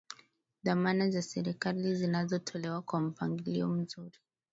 dhamana za serikali zinatolewa kwa mpangilio mzuri